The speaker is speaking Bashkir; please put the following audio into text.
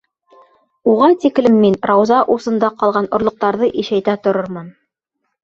Уға тиклем мин Рауза усында ҡалған орлоҡтарҙы ишәйтә торормон.